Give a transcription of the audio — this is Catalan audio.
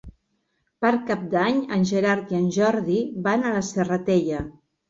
Per Cap d'Any en Gerard i en Jordi van a la Serratella.